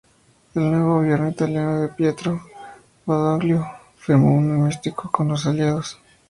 El nuevo Gobierno italiano de Pietro Badoglio firmó un Armisticio con los Aliados.